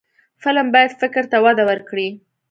فلم باید فکر ته وده ورکړي